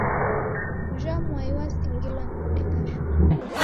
Ujha mwai wasingiliwa ni kudeka shuu.